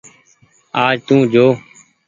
آج تو جو۔